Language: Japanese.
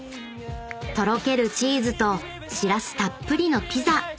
［とろけるチーズとシラスたっぷりのピザ］